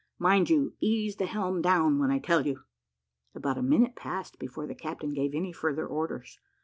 Mind you ease the helm down when I tell you." About a minute passed before the captain gave any further orders.